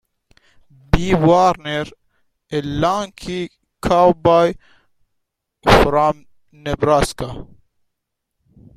B. Warner, a lanky cowboy from Nebraska.